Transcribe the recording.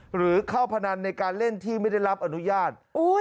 หรือเข้าพนันในการเล่นที่ไม่ได้รับอนุญาต